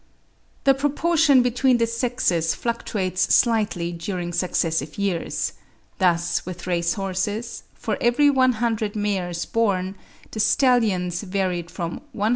The proportion between the sexes fluctuates slightly during successive years: thus with race horses, for every 100 mares born the stallions varied from 107.